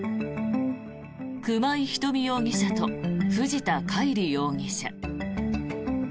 熊井ひとみ容疑者と藤田海里容疑者。